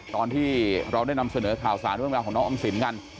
ตอนที่เราได้นำเสนอข่าวสารเรื่องราวของน้องออมสินกัน